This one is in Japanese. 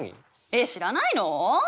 えっ知らないの？